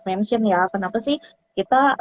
mention ya kenapa sih kita